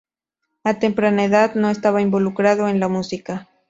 A temprana edad no estaba involucrado en la música.